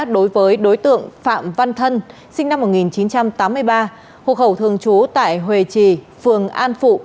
đối với đối tượng phạm văn thân sinh năm một nghìn chín trăm tám mươi ba hộ khẩu thường trú tại hòe trì phường an phụ